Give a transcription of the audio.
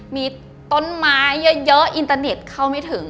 มีต้นไม้เยอะอินเตอร์เน็ตเข้าไม่ถึง